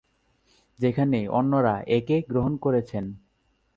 যেখানে অন্যরা একে গ্রহণ করেছেন।